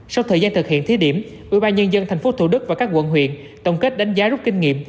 sau thời gian thực hiện thí điểm ủy ban nhân dân tp thủ đức và các quận huyện tổng kết đánh giá rút kinh nghiệm